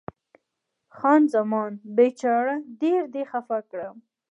خان زمان: بیچاره، ډېر دې خفه کړم.